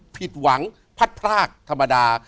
ผิดหวังพัดพรากธรรมดา